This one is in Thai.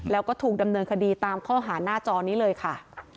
แล้วก็ถูกดำเนินคดีตามข้อหาหน้าจอนี้เลยค่ะ